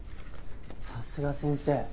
さすが先生